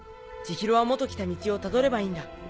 千尋はもと来た道をたどればいいんだ。